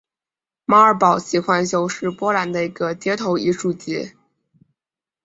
马尔堡奇幻秀是波兰的一个街头艺术节。